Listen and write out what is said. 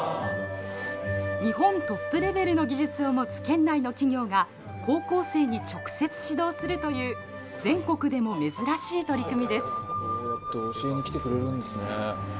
日本トップレベルの技術を持つ県内の企業が高校生に直接指導するという全国でも珍しい取り組みです。